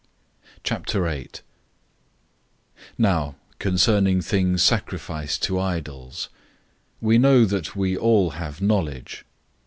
008:001 Now concerning things sacrificed to idols: We know that we all have knowledge.